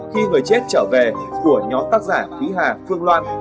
khi người chết trở về của nhóm tác giả thúy hà phương loan